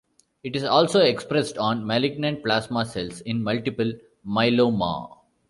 It is also expressed on malignant plasma cells in multiple myeloma.